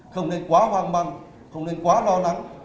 không nên quá hoang măng không nên quá lo lắng